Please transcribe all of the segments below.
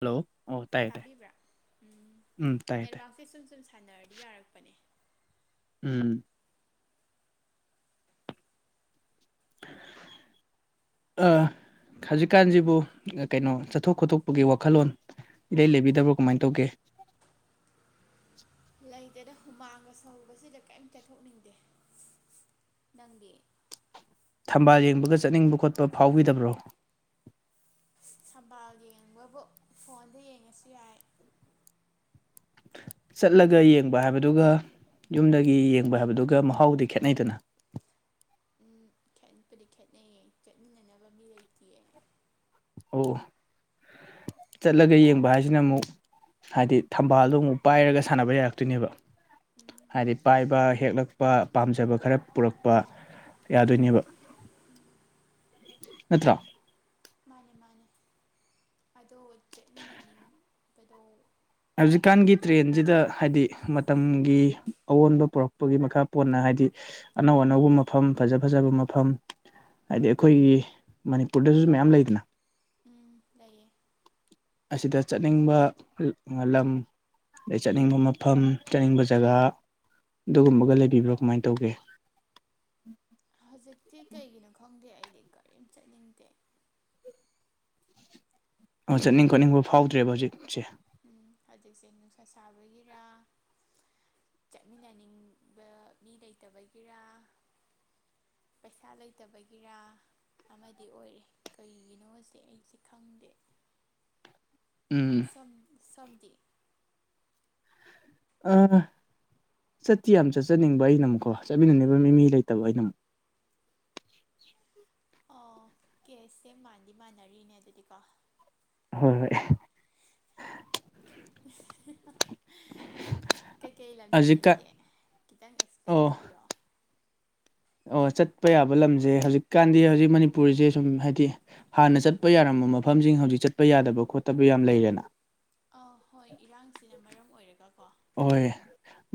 Hello ꯑꯣ ꯇꯥꯏꯌꯦ ꯇꯥꯏ ꯇꯥꯕꯤꯕ꯭ꯔꯥ ꯎꯝ ꯇꯥꯏꯌꯦ ꯇꯥꯏ ꯅꯦꯠꯋꯥꯛꯁꯦ ꯁꯨꯝ ꯁꯨꯝ ꯁꯥꯟꯅꯔꯗꯤ ꯌꯥꯔꯛꯄꯅꯦ ꯎꯝ [inaudible] ꯍꯧꯖꯤꯛꯀꯥꯟꯁꯤꯕꯨ ꯀꯩꯅꯣ ꯆꯠꯊꯣꯛ ꯈꯣꯠꯇꯣꯛꯄꯒꯤ ꯋꯥꯈꯜꯂꯣꯟ ꯏꯔꯩ ꯂꯩꯕꯤꯗꯕ꯭ꯔꯣ ꯀꯃꯥꯏꯅ ꯇꯧꯒꯦ ꯂꯩꯇꯗꯥ ꯍꯨꯃꯥꯡꯒ ꯁꯧꯕꯁꯤꯗ ꯀꯔꯤꯝ ꯆꯠꯊꯣꯛꯅꯤꯡꯗꯦ ꯅꯪꯗꯤ ꯊꯝꯕꯥꯜ ꯌꯦꯡꯕꯒ ꯆꯠꯅꯤꯡꯕ ꯈꯣꯠꯄ ꯐꯥꯎꯕꯤꯗꯕ꯭ꯔꯣ ꯊꯝꯕꯥꯜ ꯌꯦꯡꯕꯕꯨ ꯐꯣꯟꯗ ꯌꯦꯡꯉꯁꯨ ꯌꯥꯏ ꯆꯠꯂꯒ ꯌꯦꯡꯕ ꯍꯥꯏꯕꯗꯨꯒ ꯌꯨꯝꯗꯒꯤ ꯌꯦꯡꯕ ꯍꯥꯏꯕꯗꯨꯒ ꯃꯍꯥꯎꯗꯤ ꯈꯦꯠꯅꯩꯗꯅ ꯎꯝ ꯈꯦꯠꯄꯨꯗꯤ ꯈꯦꯠꯅꯩꯌꯦ ꯆꯠꯃꯤꯟꯅꯅꯕ ꯃꯤ ꯂꯩꯇꯤꯌꯦ ꯑꯣ ꯆꯠꯂꯒ ꯌꯦꯡꯕ ꯍꯥꯏꯁꯤꯅ ꯑꯃꯨꯛ ꯍꯥꯏꯗꯤ ꯊꯝꯕꯥꯜꯗꯣ ꯑꯃꯨꯛ ꯄꯥꯏꯔꯒ ꯁꯥꯟꯅꯕ ꯌꯥꯔꯛꯇꯣꯏꯅꯦꯕ ꯎꯝ ꯍꯥꯏꯗꯤ ꯄꯥꯏꯕ ꯍꯦꯛꯂꯛꯄ ꯄꯥꯝꯖꯕ ꯈꯔ ꯄꯨꯔꯛꯄ ꯌꯥꯗꯣꯏꯅꯦꯕ ꯅꯠꯇ꯭ꯔꯣ ꯃꯥꯅꯦ ꯃꯥꯅꯦ ꯑꯗꯣ ꯆꯠꯃꯤꯟꯅꯅꯤꯡꯕꯗꯣ ꯍꯧꯖꯤꯛꯀꯥꯟꯒꯤ ꯆꯠꯃꯤꯟ ꯇ꯭ꯔꯦꯟꯖꯤꯗ ꯍꯥꯏꯗꯤ ꯃꯇꯝꯒꯤ ꯑꯑꯣꯟꯕ ꯄꫭꯔꯛꯄꯒꯤ ꯃꯈꯥ ꯄꯣꯟꯅ ꯍꯥꯏꯗꯤ ꯑꯅꯧ ꯑꯅꯧꯕ ꯃꯐꯝ ꯐꯖ ꯐꯖꯕ ꯃꯐꯝ ꯍꯥꯏꯗꯤ ꯑꯩꯈꯣꯏꯒꯤ ꯃꯅꯤꯄꯨꯔꯗꯁꯨ ꯃꯌꯥꯝ ꯂꯩꯗꯅ ꯎꯝ ꯂꯩꯌꯦ ꯑꯁꯤꯗ ꯆꯠꯅꯤꯡꯕ ꯂꯝ ꯆꯠꯅꯤꯡꯕ ꯃꯐꯝ ꯆꯠꯅꯤꯡꯕ ꯖꯒꯥ ꯑꯗꯨꯒꯨꯝꯕꯒ ꯂꯩꯕꯤꯕ꯭ꯔꯥ ꯀꯃꯥꯏꯅ ꯇꯧꯒꯦ ꯍꯧꯖꯤꯛꯇꯤ ꯀꯩꯒꯤꯅꯣ ꯈꯪꯗꯦ ꯑꯩꯗꯤ ꯀꯔꯤꯝ ꯆꯠꯅꯤꯡꯗꯦ ꯑꯣ ꯍꯥꯏꯗꯤ ꯆꯠꯅꯤꯡ ꯈꯣꯠꯅꯤꯡꯕ ꯐꯥꯎꯗ꯭ꯔꯦꯕ ꯍꯧꯖꯤꯛꯁꯦ ꯎꯝ ꯍꯧꯖꯤꯛꯁꯦ ꯅꯨꯡꯁꯥ ꯁꯥꯕꯒꯤꯔꯥ ꯆꯠꯃꯤꯟꯅꯅꯤꯡꯕ ꯃꯤ ꯂꯩꯇꯕꯒꯤꯔ ꯄꯩꯁꯥ ꯂꯩꯇꯕꯒꯤꯔꯥ ꯑꯃꯗꯤ ꯑꯣꯏꯔꯦ ꯀꯔꯤꯒꯤꯅꯣꯁꯦ ꯑꯩꯁꯦ ꯈꯪꯗꯦ ꯎꯝ ꯁꫭꯝꯗꯤ ꯑꯥ ꯆꯠꯇꯤ ꯌꯥꯝ ꯆꯠꯆꯅꯤꯡꯕ ꯑꯩꯅ ꯑꯃꯨꯛꯀꯣ ꯆꯠꯃꯤꯟꯅꯅꯕ ꯃꯤ ꯂꯩꯇꯕ ꯑꯩꯅ ꯑꯃꯨꯛ ꯑꯣ ꯀꯦꯁꯁꯦ ꯃꯥꯟꯗꯤ ꯃꯥꯟꯅꯔꯤꯅꯦ ꯑꯗꯨꯗꯤꯀꯣ ꯍꯣꯏ ꯍꯣꯏ [unintelligible] ꯀꯩ ꯀꯩ ꯂꯝ ꯍꯧꯖꯤꯛꯀꯥꯟ ꯆꯠꯅꯤꯡꯒꯦ ꯈꯤꯇꯪ ꯑꯦꯛꯁꯄ꯭ꯂꯦꯟ ꯑꯣ ꯇꯧꯕꯤꯔꯛꯑꯣ ꯑꯣ ꯆꯠꯄ ꯌꯥꯕ ꯂꯝꯁꯦ ꯍꯧꯖꯤꯛꯀꯥꯟꯗꯤ ꯍꯧꯖꯤꯛ ꯃꯅꯤꯄꯨꯔꯁꯦ ꯁꯨꯝ ꯍꯥꯏꯗꯤ ꯍꯥꯟꯅ ꯆꯠꯄ ꯌꯥꯔꯝꯕ ꯃꯐꯝꯁꯤꯡ ꯍꯧꯖꯤꯛ ꯆꯠꯄ ꯌꯥꯗꯕ ꯈꯣꯠꯇꯕ ꯌꯥꯝ ꯂꯩꯔꯦꯅ ꯑꯧ ꯍꯣꯏ ꯏꯔꯥꯡꯁꯤꯅ ꯃꯔꯝ ꯑꯣꯏꯔꯒ ꯀꯣ ꯑꯣꯍꫭꯏ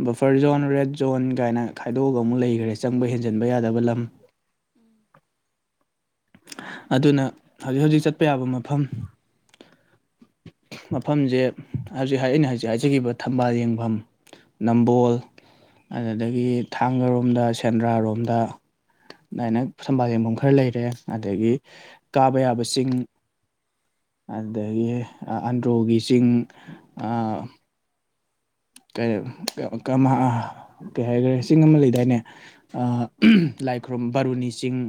ꯕꯐꯔ ꯖꯣꯟ ꯔꯦꯗ ꯖꯣꯟ ꯀꯥꯏꯅ ꯈꯥꯏꯗꯣꯛꯑꯒ ꯑꯃꯨꯛ ꯂꯩꯒ꯭ꯔꯦ ꯆꯪꯕ ꯍꯦꯟꯖꯟꯕ ꯌꯥꯗꯕ ꯂꯝ ꯎꯝ ꯑꯗꯨꯅ ꯍꯧꯖꯤꯛ ꯍꯧꯖꯤꯛ ꯆꯠꯄ ꯌꯥꯕ ꯃꯐꯝ ꯃꯐꯝꯁꯦ ꯍꯧꯖꯤꯛ ꯑꯩꯅ ꯍꯧꯖꯤꯛ ꯍꯥꯏꯖꯈꯤꯕ ꯊꯝꯕꯥꯜ ꯌꯦꯡꯐꯝ ꯅꯝꯕꯣꯜ ꯑꯗꯨꯗꯒꯤ ꯊꯥꯡꯒꯔꯣꯝꯗ ꯁꯦꯟꯗ꯭ꯔꯥꯔꯣꯝꯗ ꯑꯗꯥꯏꯅ ꯊꯝꯕꯥꯜ ꯌꯦꯡꯐꯝ ꯈꯔ ꯂꯩꯔꯦ ꯑꯗꯒꯤ ꯀꯥꯕ ꯌꯥꯕ ꯆꯤꯡ ꯑꯗꯒꯤ ꯑꯟꯗ꯭ꯔꯣꯒꯤ ꯆꯤꯡ ꯎꯝ ꯀꯩꯑꯕ ꯀꯩ ꯍꯥꯏꯈꯔꯦ ꯆꯤꯡ ꯑꯃ ꯂꯩꯗꯥꯏꯅꯦ ꯑꯥ ꯂꯥꯏꯈꯨꯔꯝ ꯕꯥꯔꯨꯅꯤ ꯆꯤꯡ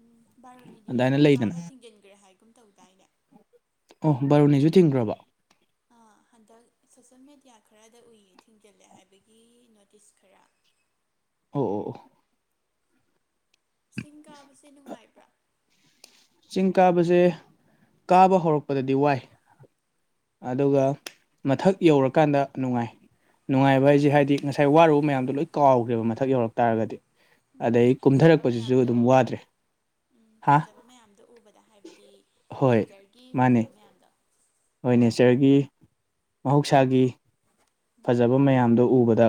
ꯎꯝ ꯕꯥꯥꯔꯨꯅꯤꯗꯤ ꯑꯗꯨꯃꯥꯏꯅ ꯍꯟꯗꯛ ꯂꯩꯗꯅ ꯀꯥꯕ ꯊꯤꯡꯖꯤꯟꯒ꯭ꯔꯦ ꯍꯥꯏꯒꯨꯝ ꯇꯧꯗꯥꯏꯅꯦ ꯑꯣ ꯕꯥꯔꯨꯅꯤꯖꯨ ꯊꯤꯡꯒ‍꯭ꯔꯕ ꯑꯥ ꯍꯟꯗꯛ ꯁꯣꯁꯦꯜ ꯃꯦꯗꯤꯌꯥ ꯈꯔꯗ ꯎꯏ ꯊꯤꯡꯖꯤꯜꯂꯦ ꯍꯥꯏꯕꯒꯤ ꯅꯣꯇꯤꯁ ꯈꯔ ꯑꯣ ꯑꯣ ꯑꯣ ꯆꯤꯡ ꯀꯥꯕꯁꯦ ꯅꯨꯡꯉꯥꯏꯕ꯭ꯔꯥ ꯆꯤꯡ ꯀꯥꯕꯁꯦ ꯀꯥꯕ ꯍꯧꯔꯛꯄꯗꯗꯤ ꯋꯥꯏ ꯑꯗꯨꯒ ꯎꯝ ꯃꯊꯛ ꯌꯧꯔꯀꯥꯟꯗ ꯅꯨꯡꯉꯥꯏ ꯅꯨꯡꯉꯥꯏꯕ ꯍꯥꯏꯁꯦ ꯍꯥꯏꯗꯤ ꯉꯁꯥꯏ ꯋꯥꯔꯨꯕ ꯃꯌꯥꯝꯗꯣ ꯂꯣꯏ ꯀꯥꯎꯒ꯭ꯔꯦꯕ ꯃꯊꯛ ꯌꯧꯔꯛ ꯇꯥꯔꯒꯗꯤ ꯑꯗꯩ ꯐꯖꯕ ꯀꯨꯝꯊꯔꯛꯄꯁꯤꯁꯨ ꯃꯌꯥꯝꯗꯣ ꯑꯗꯨꯝ ꯋꯥꯗ꯭ꯔꯦ ꯎꯝ ꯍꯥ ꯐꯖꯕ ꯃꯌꯥꯝꯗꯣ ꯎꯕꯗ ꯍꯥꯏꯕꯗꯤ ꯍꯣꯏ ꯅꯦꯠꯆꯔꯒꯤ ꯐꯖꯕ ꯃꯌꯥꯝꯗꯣ ꯑꯣꯏ ꯅꯦꯆꯔꯒꯤ ꯃꯍꯧꯁꯥꯒꯤ ꯎꯝ ꯐꯖꯕ ꯃꯌꯥꯝꯗꯣ ꯎꯕꯗ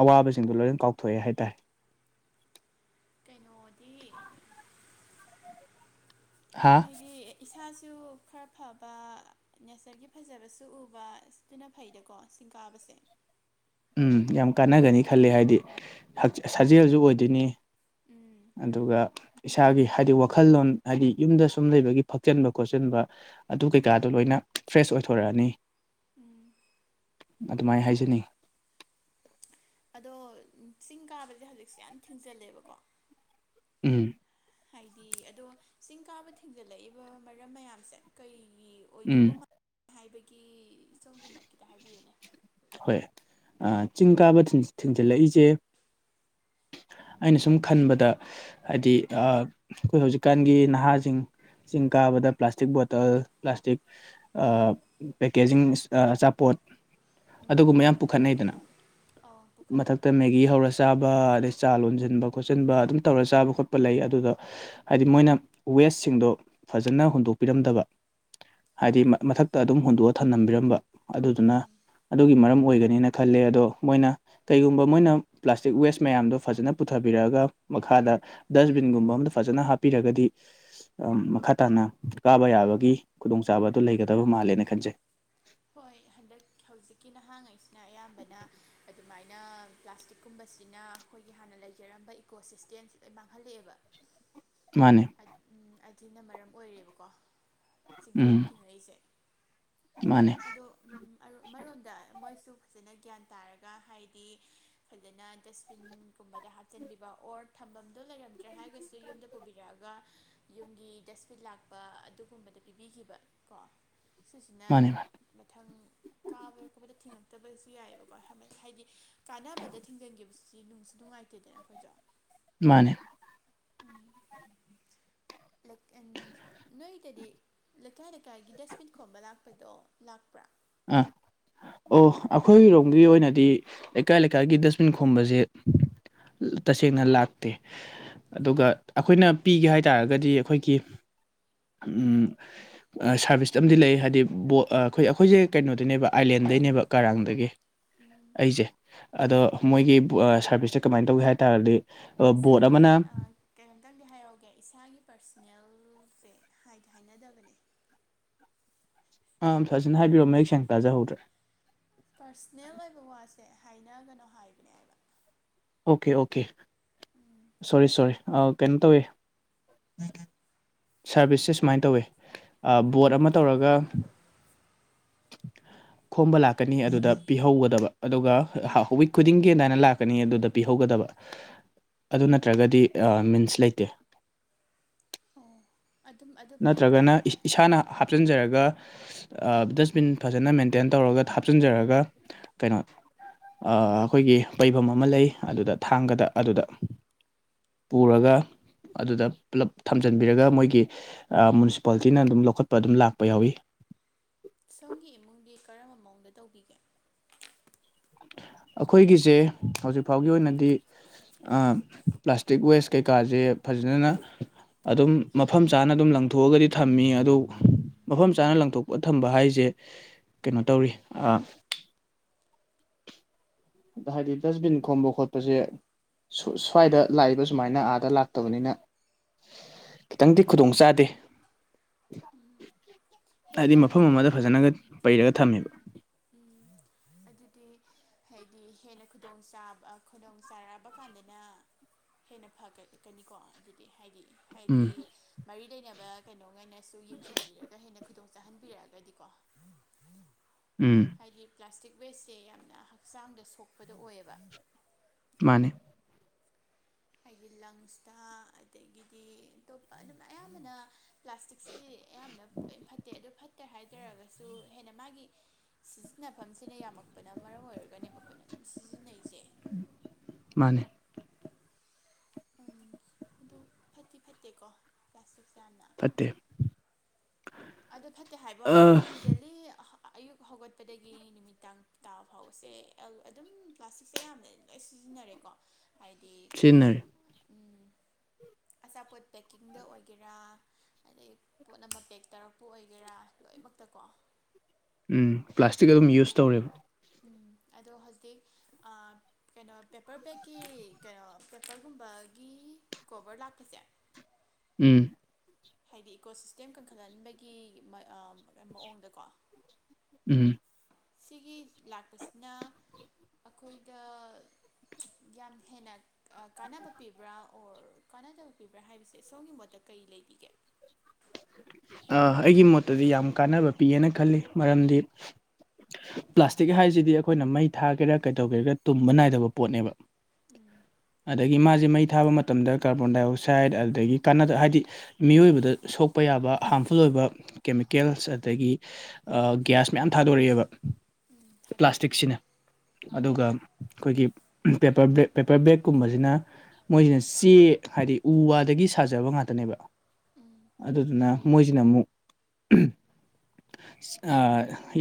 ꯑꯋꯥꯕꯁꯤꯡꯗꯣ ꯂꯣꯏꯅ ꯀꯥꯎꯊꯣꯛꯑꯦ ꯍꯥꯏꯇꯥꯏ ꯀꯩꯅꯣꯗꯤ ꯍꯥ ꯍꯥꯏꯗꯤ ꯏꯁꯥꯁꯨ ꯈꯔ ꯐꯕ ꯅꯦꯆꯔꯒꯤ ꯐꯖꯕꯁꯨ ꯎꯕ ꯁꯤꯅ ꯐꯩꯗꯀꯣ ꯆꯤꯡ ꯀꯥꯕꯁꯦ ꯎꯝ ꯌꯥꯝ ꯀꯥꯟꯅꯒꯅꯤ ꯈꯂꯦ ꯍꯥꯏꯗꯤ ꯁꯥꯖꯦꯜꯁꯨ ꯑꯣꯏꯗꯣꯏꯅꯤ ꯎꯝ ꯑꯗꯨꯒ ꯏꯁꯥꯒꯤ ꯍꯥꯏꯗꯤ ꯋꯥꯈꯜꯂꯣꯟ ꯍꯥꯏꯗꯤ ꯌꯨꯝꯗ ꯁꯨꯝ ꯂꯩꯕꯒꯤ ꯐꯛꯆꯟꯕ ꯈꯣꯠꯆꯟꯕ ꯑꯗꯨ ꯀꯩꯀꯥꯗꯣ ꯂꯣꯏꯅ ꯐ꯭ꯔꯦꯁ ꯑꯣꯏꯊꯣꯔꯛꯑꯅꯤ ꯎꯝ ꯑꯗꯨꯃꯥꯏ ꯍꯥꯏꯖꯅꯤꯡꯉꯤ꯫ ꯑꯗꯣ ꯆꯤꯡ ꯀꯥꯕꯗꯤ ꯍꯧꯖꯤꯛꯁꯦ ꯌꯥꯝ ꯊꯤꯡꯖꯤꯜꯂꯦꯕꯀꯣ ꯎꯝ ꯍꯥꯏꯗꯤ ꯑꯗꯣ ꯆꯤꯡ ꯀꯥꯕ ꯊꯤꯡꯖꯤꯜꯂꯛꯏꯕ ꯃꯔꯝ ꯃꯌꯥꯝꯁꯦ ꯀꯩꯒꯤ ꯎꯝ ꯑꯣꯏꯗꯧꯕ ꯃꯥꯟ ꯍꯥꯏꯕꯒꯤ ꯁꯣꯝꯒꯤ ꯃꯣꯠ ꯈꯤꯇ ꯍꯥꯏꯕꯤꯌꯨꯅꯦ ꯍꯣꯏ ꯑ ꯆꯤꯡ ꯀꯥꯕ ꯊꯤꯟ ꯊꯤꯟꯖꯤꯜꯂꯛꯏꯁꯦ ꯑꯩꯅ ꯁꯨꯝ ꯈꯟꯕꯗ ꯍꯥꯏꯗꯤ ꯑ ꯈꯣꯏ ꯍꯧꯖꯤꯛꯀꯥꯟꯒꯤ ꯅꯍꯥꯁꯤꯡ ꯆꯤꯡ ꯀꯥꯕꯗ ꯄ꯭ꯂꯥꯁꯇꯤꯛ ꯕꯣꯇꯜ ꯄ꯭ꯂꯥꯁꯇꯤꯛ ꯑ ꯄꯦꯀꯦꯖꯤꯡꯁ ꯑ ꯑꯆꯥꯄꯣꯠ ꯎꯝ ꯑꯗꯨꯒꯨꯝꯕ ꯌꯥꯝ ꯄꯨꯈꯠꯅꯩꯗꯅ ꯑꯧ ꯄꯨꯈꯠꯂꯦ ꯃꯊꯛꯇ ꯃꯦꯒꯤ ꯍꯧꯔꯁꯤ ꯆꯥꯕ ꯑꯗꯩ ꯆꯥ ꯂꯣꯟꯁꯤꯟꯕ ꯈꯣꯠꯆꯤꯟꯕ ꯑꯗꯨꯝ ꯇꯧꯔ ꯆꯥꯕ ꯈꯣꯠꯄ ꯂꯩ ꯑꯗꯨꯗ ꯍꯥꯏꯗꯤ ꯃꯣꯏꯅ ꯋꯦꯁꯁꯤꯡꯗꯣ ꯐꯖꯅ ꯍꯨꯟꯗꯣꯛꯄꯤꯔꯝꯗꯕ ꯍꯥꯏꯗꯤ ꯑꯥ ꯃꯊꯛꯇ ꯑꯗꯨꯝ ꯍꯨꯟꯗꯣꯛꯑ ꯊꯝꯅꯝꯕꯤꯔꯝꯕ ꯑꯗꯨꯗꯨꯅ ꯎꯝ ꯑꯗꯨꯒꯤ ꯃꯔꯝ ꯑꯣꯏꯒꯅꯦꯅ ꯈꯜꯂꯦ ꯑꯗꯣ ꯃꯣꯏꯅ ꯀꯩꯒꯨꯝꯕ ꯃꯣꯏꯅ ꯄ꯭ꯂꯥꯁꯇꯤꯛ ꯋꯦꯁ ꯃꯌꯥꯝꯗꯣ ꯐꯖꯅ ꯄꯨꯊꯕꯤꯔꯛꯑꯒ ꯃꯈꯥꯗ ꯗꯁꯕꯤꯟꯒꯨꯝꯕ ꯑꯝꯗ ꯐꯖꯅ ꯍꯥꯞꯄꯤꯔꯒꯗꯤ ꯑ ꯃꯈꯥ ꯇꯥꯅ ꯀꯥꯕ ꯌꯥꯕꯒꯤ ꯈꯨꯗꯣꯡꯆꯥꯕ ꯑꯗꯨ ꯂꯩꯒꯗꯕ ꯃꯥꯜꯂꯦꯅ ꯈꯟꯖꯩ ꯍꯣꯏ ꯍꯟꯗꯛ ꯍꯧꯖꯤꯛꯀꯤ ꯅꯍꯥꯉꯩꯁꯤꯅ ꯑꯌꯥꯝꯕꯅ ꯑꯗꯨꯃꯥꯏꯅ ꯄ꯭ꯂꯥꯁꯇꯤꯛꯀꯨꯝꯕꯁꯤꯅ ꯑꯩꯈꯣꯏꯒꯤ ꯍꯥꯟꯅ ꯂꯩꯖꯔꯝꯕ ꯏꯀꯣ ꯁꯤꯁꯇꯦꯝꯁꯤꯗ ꯂꯣꯏ ꯃꯥꯡꯍꯜꯂꯛꯑꯦꯕ ꯃꯥꯅꯦ ꯑ ꯎꯝ ꯑꯗꯨꯅ ꯃꯔꯝ ꯑꯣꯏꯔꯦꯕꯀꯣ ꯆꯤꯡ ꯀꯥꯕ ꯎꯝ ꯊꯦꯡꯅꯛꯏꯁꯦ ꯃꯥꯅꯦ ꯑꯗꯣ ꯎꯝ ꯃꯔꯣꯝꯗ ꯃꯣꯏꯁꯨ ꯐꯖꯅ ꯒ꯭ꯌꯥꯟ ꯇꯥꯔꯒ ꯍꯥꯏꯗꯤ ꯐꯖꯅ ꯗꯁꯕꯤꯟ ꯀꯨꯝꯕꯗ ꯍꯥꯞꯆꯤꯟꯕꯤꯕ ꯑꯣꯔ ꯊꯝꯐꯝꯗꯣ ꯂꯩꯔꯝꯗ꯭ꯔꯦ ꯍꯥꯏꯔꯒꯁꯨ ꯌꯨꯝꯗ ꯄꯨꯕꯤ ꯔꯛꯑꯒ ꯌꯨꯝꯒꯤ ꯗꯁꯕꯤꯟ ꯂꯥꯛꯄ ꯑꯗꯨꯒꯨꯝꯕꯗ ꯄꯤꯕꯤꯈꯤꯕ ꯀꯣ ꯁꯤꯁꯤꯅ ꯃꯥꯅꯦ ꯃꯥꯅꯦ ꯃꯊꯪ ꯀꯥꯕ ꯈꯣꯠꯄꯗ ꯊꯤꯡꯉꯛꯇꯕꯁꯨ ꯌꯥꯏꯑꯕꯀꯣ ꯍꯥꯏꯗꯤ ꯀꯥꯟꯅꯕꯗ ꯊꯤꯡꯖꯤꯟꯈꯤꯕꯁꯤ ꯅꯨꯡꯁꯨ ꯅꯨꯡꯉꯥꯏꯇꯦ ꯇꯦꯗꯅ ꯑꯩꯈꯣꯏꯖꯨ ꯃꯥꯅꯦ [unintelligible] ꯅꯣꯏꯗꯗꯤ ꯂꯩꯀꯥꯏ ꯂꯩꯀꯥꯏꯒꯤ ꯗꯁꯕꯤꯟ ꯈꯣꯝꯕ ꯂꯥꯛꯄꯗꯣ ꯂꯥꯛꯄ꯭ꯔꯥ ꯑ ꯑꯣ ꯑꯩꯈꯣꯏꯒꯤꯔꯣꯝꯒꯤ ꯑꯣꯏꯅꯗꯤ ꯂꯩꯀꯥꯏ ꯂꯩꯀꯥꯏꯒꯤ ꯗꯁꯕꯤꯟ ꯈꯣꯝꯕꯁꯦ ꯇꯁꯦꯡꯅ ꯂꯥꯛꯇꯦ ꯑꯗꯨꯒ ꯑꯩꯈꯣꯏꯅ ꯄꯤꯒꯦ ꯍꯥꯏꯇꯥꯔꯒꯗꯤ ꯑꯩꯈꯣꯏꯒꯤ ꯎꯝ ꯁꯥꯔꯚꯤꯁ ꯑꯃꯗ ꯂꯩ ꯍꯥꯏꯗꯤꯕ ꯑꯩꯈꯣꯏ ꯑꯩꯈꯣꯏꯁꯦ ꯀꯩꯅꯣꯗꯤꯅꯦꯕ ꯑꯥꯏꯂꯦꯟꯗꯩꯅꯦꯕ ꯀꯔꯥꯡꯗꯒꯤ ꯎꯝ ꯑꯩꯁꯦ ꯑꯗꯣ ꯎꯝ ꯃꯣꯏꯒꯤꯕ ꯑ ꯁꯔꯚꯤꯁꯁꯦ ꯀꯃꯥꯏꯟ ꯇꯧꯒꯦ ꯍꯥꯏꯇꯥꯥꯔꯗꯤ ꯑ ꯕꯣꯠ ꯏꯁꯥꯒꯤ ꯑꯃꯅ ꯀꯩꯅꯣꯝꯇꯪꯗꯤ ꯍꯥꯏꯍꯧꯒꯦ ꯏꯁꯥꯒꯤ ꯄꯔꯁꯅꯦꯜꯁꯦ ꯍꯥꯏꯗꯤ ꯍꯥꯏꯅꯗꯕꯅꯦ ꯑꯥ ꯐꯖꯅ ꯍꯥꯏꯕꯤꯔꯛꯑꯣ ꯃꯌꯦꯛ ꯁꯦꯡꯅ ꯇꯥꯖꯍꯧꯗ꯭ꯔꯦ ꯄꯥꯔꯁꯅꯦꯜ ꯑꯣꯏꯕ ꯋꯥꯁꯦ ꯍꯥꯏꯅꯒꯅꯣ ꯍꯥꯏꯕꯅꯦ ꯍꯥꯏꯕ ꯑꯣꯀꯦ ꯑꯣꯀꯦ ꯁꯣꯔꯤ ꯁꯣꯔꯤ ꯑ ꯀꯩꯅꯣ ꯇꯧꯋ ꯁꯔꯚꯤꯁꯁꯦ ꯁꯨꯃꯥꯏꯅ ꯇꯧꯋꯦ ꯑ ꯕꯣꯠ ꯑꯃ ꯇꯧꯔꯒ [unintelligible] ꯈꯣꯝꯕ ꯂꯥꯛꯀꯅꯤ ꯑꯗꯨꯗ ꯄꯤꯍꯧꯒꯗꯕ ꯑꯗꯨꯒ ꯋꯤꯛ ꯈꯨꯗꯤꯡꯒꯤ ꯑꯗꯥꯢꯅ ꯂꯥꯛꯀꯅꯤ ꯑꯗꯨꯗ ꯄꯤꯍꯧꯒꯗꯕ ꯑꯗꯨ ꯅꯠꯇ꯭ꯔꯒꯗꯤ ꯑ ꯃꯤꯟꯁ ꯂꯩꯇꯦ ꯎꯝ ꯑꯗꯨꯝ ꯑꯗꯨꯝ ꯅꯠꯇ꯭ꯔꯒꯅ ꯏꯁ ꯏꯁꯥꯅ ꯍꯥꯞꯆꯤꯟꯖꯔꯒ ꯑ ꯗꯁꯕꯤꯟ ꯐꯖꯅ ꯃꯦꯟꯇꯦꯟ ꯇꯧꯔꯒ ꯍꯥꯞꯆꯤꯟꯖꯔꯒ ꯀꯩꯅꯣ ꯑꯩꯈꯣꯏꯒꯤ ꯄꯩꯕꯝ ꯑꯃ ꯂꯩ ꯑꯗꯨꯗ ꯊꯥꯡꯒꯗ ꯑꯗꯨꯗ ꯄꯨꯔꯒ ꯎꯝ ꯑꯗꯨꯗ ꯄꯨꯂꯞ ꯊꯝꯖꯤꯟꯕꯤꯔꯒ ꯃꯣꯏꯒꯤ ꯑ ꯃꯨꯅꯤꯁꯤꯄꯥꯂꯤꯇꯤꯅ ꯑꯗꯨꯝ ꯂꯧꯈꯠꯄ ꯑꯗꯨꯝ ꯂꯥꯛꯄ ꯌꯥꯎꯏ ꯁꯣꯝꯒꯤ ꯏꯃꯨꯡꯗꯤ ꯀꯔꯝꯕ ꯃꯑꯣꯡꯗ ꯇꯧꯕꯤꯒꯦ ꯑꯩꯈꯣꯏꯒꯤꯁꯦ ꯍꯧꯖꯤꯛꯐꯥꯎꯒꯤ ꯑꯣꯏꯅꯗꯤ ꯑ ꯄ꯭ꯂꯥꯁꯇꯤꯛ ꯋꯦꯁ ꯀꯩꯀꯥꯁꯦ ꯐꯖꯅ ꯑꯗꯨꯝ ꯃꯐꯝ ꯆꯥꯅ ꯑꯗꯨꯝ ꯂꯪꯊꯣꯛꯑꯒꯗꯤ ꯊꯝꯃꯤ ꯑꯗꯨ ꯃꯐꯝ ꯆꯥꯅ ꯂꯪꯊꯣꯛꯄ ꯊꯝꯕ ꯍꯥꯏꯁꯦ ꯀꯩꯅꯣ ꯇꯧꯔꯤ ꯑ ꯑꯗ ꯍꯥꯏꯗꯤ ꯗꯁꯕꯤꯟ ꯈꯣꯝꯕ ꯈꯣꯠꯄꯁꯦ ꯁ꯭ꯋꯥꯏꯗ ꯂꯥꯛꯏꯕ ꯁꯨꯃꯥꯏꯅ ꯑꯥꯗ ꯂꯥꯛꯇꯕꯅꯤꯅ ꯈꯤꯇꯪꯗꯤ ꯈꯨꯗꯣꯡ ꯆꯥꯥꯗꯦ ꯎꯝ ꯍꯥꯏꯗꯤ ꯃꯐꯝ ꯑꯃꯗ ꯐꯖꯅꯒ ꯄꯩꯔꯒ ꯊꯝꯃꯦꯕ ꯎꯝ ꯑꯗꯨꯗꯤ ꯍꯥꯏꯗꯤ ꯍꯦꯟꯅ ꯈꯨꯗꯣꯡ ꯆꯕ ꯈꯨꯗꯣꯡ ꯆꯥꯔꯕ ꯀꯥꯟꯗꯅ ꯍꯦꯟꯅ ꯐꯒꯠꯀꯅꯤꯀꯣ ꯑꯗꯨꯗꯤ ꯍꯥꯏꯗꯤ ꯎꯝ ꯍꯥꯏꯗꯤ ꯃꯔꯤ ꯂꯩꯅꯕ ꯀꯩꯅꯣꯉꯩꯅꯁꯨ ꯌꯦꯡꯁꯤꯟꯕꯤꯔꯒ ꯍꯦꯟꯅ ꯈꯨꯗꯣꯡ ꯆꯥꯍꯟꯕꯤꯔꯛꯑꯒꯗꯤꯀꯣ ꯎꯝ ꯍꯥꯏꯗꯤ ꯄ꯭ꯂꯥꯁꯇꯤꯛ ꯋꯦꯁꯁꯦ ꯌꯥꯝꯅ ꯍꯛꯆꯥꯡꯗ ꯁꯣꯛꯄꯗ ꯑꯣꯏꯌꯦꯕ ꯃꯥꯅꯦ ꯍꯥꯏꯗꯤ ꯂꯪꯁꯇ ꯑꯗꯒꯤꯗꯤ ꯑꯇꯣꯞꯄ ꯑꯗꯨꯝ ꯑꯌꯥꯝꯕꯅ ꯄ꯭ꯂꯥꯁꯇꯤꯛꯁꯤꯗꯤ ꯑꯌꯥꯝꯕꯅ ꯂꯣꯏ ꯐꯠꯇꯦ ꯑꯗꯨ ꯐꯠꯇ꯭ꯔꯦ ꯍꯥꯏꯖꯔꯒꯁꯨ ꯍꯦꯟꯅ ꯃꯥꯒꯤ ꯁꯤꯖꯤꯟꯅꯐꯝꯁꯤꯅ ꯌꯥꯝꯃꯛꯄꯅ ꯃꯔꯝ ꯑꯣꯏꯔꯒꯅꯦꯕ ꯑꯩꯈꯣꯏꯅ ꯑꯗꯨꯝ ꯁꯤꯖꯤꯟꯅꯩꯁꯦ ꯃꯥꯅꯦ ꯎꯝ ꯑꯗꯨ ꯐꯠꯇꯤ ꯐꯠꯇꯦꯀꯣ ꯄ꯭ꯂꯥꯁꯇꯤꯛꯁꯦ ꯌꯥꯝꯅ ꯐꯠꯇꯦ ꯑꯗꯨ ꯐꯠꯇꯦ ꯍꯥꯏꯕ ꯑ ꯋꯥꯅꯤ ꯑꯗꯨꯝ ꯗꯦ ꯂꯤ ꯑ ꯑꯌꯨꯛ ꯍꯧꯒꯠꯄꯗꯒꯤ ꯅꯨꯃꯤꯗꯥꯡ ꯇꯥ ꯐꯥꯎꯕꯁꯦ ꯑꯗꯨꯝ ꯄ꯭ꯂꯥꯁꯇꯤꯛꯁꯦ ꯌꯥꯝꯅ ꯂꯣꯏ ꯁꯤꯖꯤꯟꯅꯔꯦꯀꯣ ꯍꯥꯏꯗꯤ ꯁꯤꯖꯤꯟꯅꯔꯦ ꯎꯝ ꯑꯆꯥꯄꯣꯠ ꯄꯦꯛꯀꯤꯡꯗ ꯑꯣꯏꯒꯦꯔꯥ ꯑꯗꯩ ꯄꯣꯠ ꯑꯃ ꯄꯦꯛ ꯇꯧꯔꯛꯄ ꯄꯨ ꯑꯣꯏꯒꯦꯔꯥ ꯂꯣꯏꯅꯃꯛꯇ ꯀꯣ ꯎꯝ ꯄ꯭ꯂꯥꯁꯇꯤꯛ ꯑꯗꯨꯝ ꯌꯨꯁ ꯇꯧꯔꯦꯕ ꯎꯝ ꯑꯗꯣ ꯍꯧꯖꯤꯛ ꯑ ꯀꯩꯅꯣ ꯄꯦꯄꯔ ꯕꯦꯛꯀꯤ ꯀꯩꯅꯣ ꯄꯦꯄꯔꯒꯨꯝꯕꯒꯤ ꯀꯣꯕꯔ ꯂꯥꯛꯄꯁꯦ ꯎꯝ ꯍꯥꯏꯗꯤ ꯏꯀꯣ ꯁꯤꯁꯇꯦꯝ ꯀꯟꯈꯠꯍꯟꯕꯒꯤ ꯃꯑ ꯃꯑꯣꯡꯗꯀꯣ ꯎꯝ ꯁꯤꯒꯤ ꯂꯥꯛꯄꯁꯤꯅ ꯑꯈꯣꯏꯗ ꯌꯥꯝ ꯍꯦꯟꯅ ꯀꯥꯟꯅꯕ ꯄꯤꯕ꯭ꯔꯥ ꯑꯣꯔ ꯀꯥꯟꯅꯗꯕ ꯄꯤꯕ꯭ꯔꯥ ꯍꯥꯏꯕꯁꯦ ꯁꯣꯝꯒꯤ ꯃꯣꯠꯇ ꯀꯩ ꯂꯩꯕꯤꯒꯦ ꯑ ꯑꯩꯒꯤ ꯃꯣꯠꯇꯗꯤ ꯌꯥꯝ ꯀꯥꯟꯅꯕ ꯄꯤꯌꯦꯅ ꯈꯜꯂꯤ ꯃꯔꯝꯗꯤ ꯄ꯭ꯂꯥꯁꯇꯤꯛ ꯍꯥꯏꯁꯤꯗꯤ ꯑꯩꯈꯣꯏꯅ ꯃꯩ ꯊꯥꯒꯦꯔꯥ ꯀꯩꯗꯧꯒꯦꯒꯦ ꯇꯨꯝꯕ ꯅꯥꯏꯗꯕ ꯄꯣꯠꯅꯦꯕ ꯎꯝ ꯑꯗꯒꯤ ꯃꯥꯁꯦ ꯃꯩ ꯊꯥꯕ ꯃꯇꯝꯗ ꯀꯥꯔꯕꯣꯟꯗꯥꯏꯑꯣꯛꯁꯥꯏꯠ ꯑꯗꯒꯤ ꯀꯥꯟꯅꯗ ꯍꯥꯏꯗꯤ ꯃꯤꯑꯣꯏꯕꯗ ꯁꯣꯛꯄ ꯌꯥꯕ ꯍꯥꯝꯐꯨꯜ ꯑꯣꯏꯕ ꯀꯦꯃꯤꯀꯦꯜꯁ ꯑꯗꯒꯤ ꯑ ꯒ꯭ꯌꯥꯁ ꯃꯌꯥꯝ ꯊꯥꯗꯣꯔꯑꯦꯕ ꯎꯝ ꯊꯥꯗꯣꯔꯛꯑꯦ ꯄ꯭ꯂꯥꯁꯇꯤꯛꯁꯤꯅ ꯃꯥꯅꯦ ꯑꯗꯨꯒ ꯑꯩꯈꯣꯏꯒꯤ ꯄꯦꯄꯔ ꯕ꯭ꯂꯦꯛ ꯄꯦꯄꯔ ꯕꯦꯛꯀꯨꯝꯕꯁꯤꯅ ꯃꯣꯏꯁꯤꯅ ꯆꯦ ꯍꯥꯏꯗꯤ ꯎ ꯋꯥꯗꯒꯤ ꯁꯥꯖꯕ ꯉꯥꯛꯇꯅꯦꯕ ꯎꯝ ꯑꯗꯨꯗꯨꯅ ꯃꯣꯏꯁꯤꯅ ꯑꯃꯨꯛ ꯑ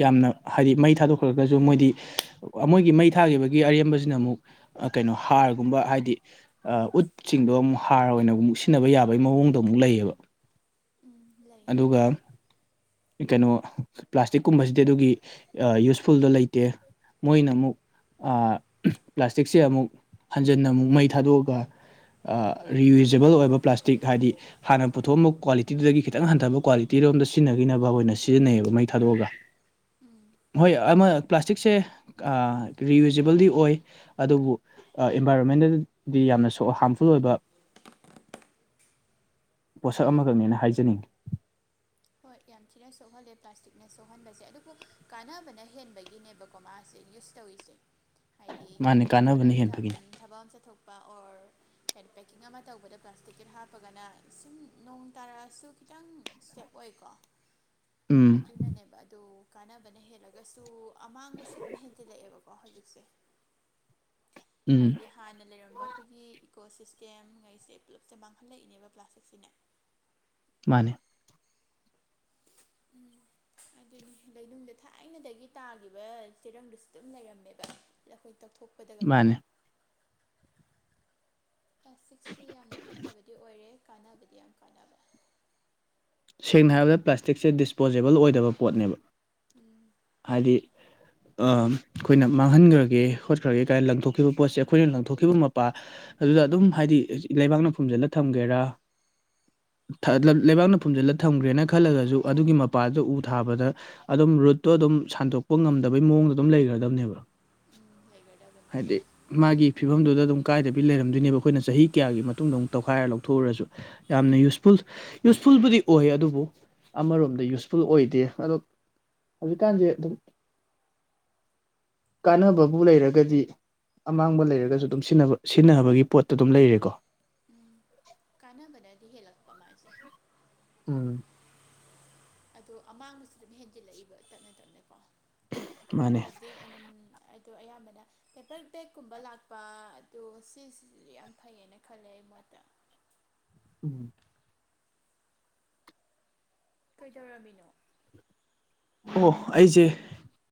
ꯌꯥꯝꯅ ꯍꯥꯏꯗꯤ ꯃꯩ ꯊꯥꯗꯣꯛꯈ꯭ꯔꯒꯁꯨ ꯃꯣꯏꯗꯤ ꯃꯣꯏꯒꯤ ꯃꯩ ꯊꯥꯈꯤꯕꯒꯤ ꯑꯔꯦꯝꯕꯁꯤꯅ ꯑꯃꯨꯛ ꯀꯩꯅꯣ ꯍꯥꯔꯒꯨꯝꯕ ꯍꯥꯏꯗꯤ ꯑ ꯎꯠꯁꯤꯡꯗꯣ ꯑꯃꯨꯛ ꯍꯥꯔ ꯑꯣꯏꯅ ꯑꯃꯨꯛ ꯁꯤꯖꯤꯟꯅꯕ ꯌꯥꯕꯒꯤ ꯃꯑꯣꯡꯗꯣ ꯑꯃꯨꯛ ꯂꯩꯌꯦꯕ ꯎꯝ ꯂꯩꯌꯦ ꯑꯗꯨꯒ ꯀꯩꯅꯣ ꯄ꯭ꯂꯥꯁꯇꯤꯛꯀꯨꯝꯕꯁꯤꯗꯤ ꯑꯗꯨꯒꯤ ꯌꯨꯁꯐꯨꯜꯗꯣ ꯂꯩꯇꯦ ꯃꯣꯏꯅ ꯑꯃꯨꯛ ꯑ ꯄ꯭ꯂꯥꯁꯇꯤꯛꯁꯦ ꯑꯃꯨꯛ ꯍꯟꯖꯟꯅ ꯑꯃꯨꯛ ꯃꯩ ꯊꯥꯗꯣꯛꯑꯒ ꯑ ꯔꯤꯌꯨꯖꯦꯕꯜ ꯑꯣꯏꯕ ꯄ꯭ꯂꯥꯁꯇꯤꯛ ꯍꯥꯏꯗꯤ ꯍꯥꯟꯅ ꯄꯨꯊꯣꯛꯑꯝꯕ ꯀ꯭ꯋꯥꯂꯤꯇꯤꯗꯨꯗꯒꯤ ꯈꯤꯇꯪ ꯍꯟꯊꯕ ꯀ꯭ꯋꯥꯂꯤꯇꯤꯔꯣꯝꯗ ꯁꯤꯖꯤꯟꯅ [unintelligible] ꯑꯣꯏꯅ ꯁꯤꯖꯤꯟꯅꯩꯌꯦꯕ ꯃꯩ ꯊꯥꯗꯣꯛꯑꯒ ꯎꯝ ꯍꯣꯏ ꯑꯃ ꯄ꯭ꯂꯥꯁꯇꯤꯛꯁꯦ ꯑ ꯔꯤꯌꯨꯖꯦꯕꯜꯗꯤ ꯑꯣꯏ ꯑꯗꯨꯕꯨ ꯑ ꯏꯟꯚꯥꯏꯔꯣꯟꯃꯦꯟꯗꯗꯤ ꯌꯥꯝꯅꯁꯣ ꯍꯥꯝꯐꯨꯜ ꯑꯣꯏꯕ [inaudible] ꯄꯣꯠꯁꯛ ꯑꯃꯈꯛꯅꯦꯅ ꯍꯥꯏꯖꯅꯤꯡꯏ ꯍꯣꯏ ꯌꯥꯝ ꯊꯤꯅ ꯁꯣꯛꯍꯜꯂꯦ ꯄ꯭ꯂꯥꯁꯇꯤꯛꯅ ꯁꯣꯛꯍꯟꯕꯁꯦ ꯑꯗꯨꯕꯨ ꯀꯥꯟꯅꯕꯅ ꯍꯦꯟꯕꯒꯤꯅꯦꯕ ꯀꯣ ꯃꯥꯁꯦ ꯌꯨꯁ ꯇꯧꯏꯁꯦ ꯍꯥꯏꯗꯤ ꯃꯥꯅꯦ ꯄꯣꯠ ꯀꯥꯟꯅꯕꯅ ꯍꯦꯟꯕꯒꯤꯅꯦ ꯑꯃ [unintelligible] ꯊꯕꯛ ꯑꯃ ꯆꯠꯊꯣꯛ ꯕ ꯑꯣꯔ ꯀꯦ ꯄꯦꯛꯀꯤꯡ ꯑꯃ ꯇꯧꯕꯗ ꯄ꯭ꯂꯥꯁꯇꯤꯛꯀꯤ ꯍꯥꯞꯄꯒꯅ ꯁꯨꯝ ꯅꯣꯡ ꯇꯥꯔꯛꯑꯁꯨ ꯈꯤꯇꯪ ꯁ꯭ꯇꯦꯞ ꯑꯣꯏꯀꯣ ꯎꯝ ꯑꯗꯨꯅꯅꯦꯕ ꯑꯗꯣ ꯀꯥꯟꯅꯕꯅ ꯍꯦꯜꯂꯒꯁꯨ ꯑꯃꯥꯡꯕꯁꯨ ꯑꯗꯨꯝ ꯍꯦꯟꯖꯤꯜꯂꯛꯑꯦꯕꯀꯣ ꯍꯧꯖꯤꯛꯁꯦ ꯎꯝ ꯍꯥꯏꯗꯤ ꯍ ꯍꯥꯟꯅ ꯂꯩꯔꯝꯕ ꯑꯩꯈꯣꯏꯒꯤ ꯏꯀꯣ ꯁꯤꯁꯇꯦꯝ ꯉꯩꯁꯦ ꯄꯨꯜꯂꯞꯁꯦ ꯃꯥꯡꯍꯜꯂꯛꯏꯅꯦꯕ ꯄ꯭ꯂꯥꯁꯇꯤꯛꯁꯤꯅꯦ ꯃꯥꯅꯦ ꯎꯝ ꯑꯗꯨꯅꯤ ꯂꯩꯅꯨꯡꯗ ꯊꯥꯏꯅꯗꯒꯤ ꯇꯥꯈꯤꯕ ꯆꯦꯔꯪꯗꯨꯁꯨ ꯑꯗꯨꯝ ꯂꯩꯔꯝꯃꯦꯗꯅ ꯂꯈꯣꯏ ꯇꯧꯊꯣꯛ ꯄꯗꯒꯀꯣ ꯃꯥꯅꯦ ꯄ꯭ꯂꯥꯁꯇꯤꯛꯁꯤ ꯌꯥꯝꯅ ꯐꯠꯇꯕꯗꯤ ꯑꯣꯏꯔꯦ ꯀꯥꯟꯅꯕꯗꯤ ꯌꯥꯝ ꯀꯥꯟꯅꯕ ꯁꯦꯡꯅ ꯍꯥꯏꯔꯕꯗ ꯄ꯭ꯂꯥꯁꯇꯤꯛꯁꯦ ꯗꯤꯁꯄꯣꯖꯤꯦꯕꯜ ꯑꯣꯏꯗꯕ ꯄꯣꯠꯅꯦꯕ ꯎꯝ ꯍꯥꯏꯗꯤ ꯑ ꯑꯩꯈꯣꯏꯅ ꯃꯥꯡꯍꯟꯈ꯭ꯔꯒꯦ ꯈꯣꯠꯈ꯭ꯔꯒꯦ ꯀꯥꯏꯅ ꯂꯪꯊꯣꯛꯈꯤꯕ ꯄꯣꯠꯁꯦ ꯑꯩꯈꯣꯏꯅ ꯂꯪꯊꯣꯛꯈꯤꯕ ꯃꯄꯥ ꯑꯗꯨꯗ ꯑꯗꯨꯝ ꯍꯥꯏꯗꯤ ꯂꯩꯕꯥꯛꯅ ꯐꯨꯝꯖꯤꯜꯂ ꯊꯝꯒꯦꯔꯥ ꯊ ꯂꯩꯕꯥꯛꯅ [unintelligible] ꯐꯨꯝꯖꯜꯂ ꯊꯝꯒ꯭ꯔꯦꯅ ꯈꯜꯂꯒꯖꯨ ꯑꯗꯨꯒꯤ ꯃꯄꯥꯗꯨ ꯎ ꯊꯥꯕꯗ ꯑꯗꯨꯝ ꯔꯨꯠꯇꯣ ꯑꯗꯨꯝ ꯁꯟꯗꯣꯛꯄ ꯉꯝꯗꯕꯩ ꯃꯑꯣꯡꯗ ꯑꯗꯨꯝ ꯂꯩꯔꯗꯝꯅꯦꯕ ꯂꯩꯒ꯭ꯔꯗꯕꯅ‌ꯦ ꯗꯤ ꯃꯥꯒꯤ ꯐꯤꯕꯝꯗꯨꯗ ꯑꯗꯨꯝ ꯀꯥꯏꯗꯕꯤ ꯂꯩꯔꯝꯗꯣꯏꯅꯦꯕ ꯑꯈꯣꯏꯅ ꯆꯍꯤ ꯀꯌꯥꯒꯤ ꯃꯇꯨꯡꯗ ꯑꯃꯨꯛ ꯇꯧꯈꯥꯏꯔ ꯂꯧꯊꯣꯛꯎꯔꯁꯨ ꯌꯥꯝꯅ ꯎꯝ ꯌꯨꯁꯐꯨꯜ ꯌꯨꯁ ꯐꯨꯜꯕꯨꯗꯤ ꯑꯣꯏ ꯑꯗꯨꯕꯨ ꯑꯃꯔꯣꯝꯗ ꯌꯨꯁꯐꯨꯜ ꯑꯣꯏꯗꯦ ꯑꯗꯣ ꯍꯧꯖꯤꯛꯀꯥꯟꯗꯤ ꯑꯗꯨꯝ ꯀꯥꯅꯕꯕꯨ ꯂꯩꯔꯒꯗꯤ ꯑꯃꯥꯡꯕ ꯂꯩꯔꯒꯖꯨ ꯗꯨꯝ ꯁꯤꯟꯅꯕ ꯁꯤꯟꯅꯕꯒꯤ ꯄꯣꯠꯇ ꯑꯗꯨꯝ ꯂꯩꯔꯦꯀꯣ ꯀꯥꯅꯕꯅꯗꯤ ꯍꯦꯂꯛꯄ ꯃꯥꯁꯦ ꯎꯝ ꯑꯗꯣ ꯑꯃꯥꯡꯕꯁꯨ ꯗꯨꯝ ꯍꯦꯟꯖꯜꯂꯛꯏꯕ ꯇꯞꯅ ꯇꯞꯅꯀꯣ ꯃꯥꯅꯦ [unintelligible] ꯑꯗꯨꯝ ꯑꯗꯣ ꯑꯌꯥꯝꯕꯅ ꯄꯦꯄꯔ ꯇꯦꯛꯀꯨꯝꯕ ꯂꯥꯛꯄ ꯑꯗꯣ ꯁꯤꯁꯤ ꯌꯥꯝ ꯐꯩꯌꯦꯅ ꯈꯜꯂꯦ ꯑꯩ ꯃꯣꯠꯇ ꯎꯝ ꯀꯩꯗꯧꯔꯝꯃꯤꯅꯣ ꯑꯣ ꯑꯩꯖ‌ꯦ